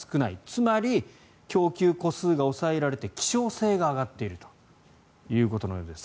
つまり、供給戸数が抑えられて希少性が上がっているということのようです。